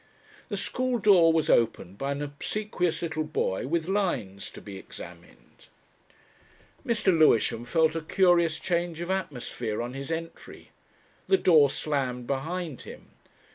The school door was opened by an obsequious little boy with "lines" to be examined. Mr. Lewisham felt a curious change of atmosphere on his entry. The door slammed behind him.